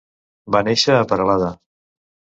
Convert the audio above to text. Va néixer a Perelada.